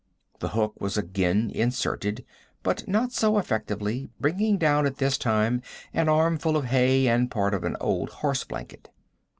The hook was again inserted, but not so effectively, bringing down at this time an armful of hay and part of an old horse blanket.